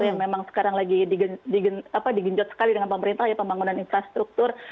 yang memang sekarang lagi digenjot sekali dengan pemerintah ya pembangunan infrastruktur